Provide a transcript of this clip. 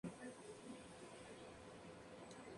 Además del auditorio cuenta con una amplia sala de exposiciones.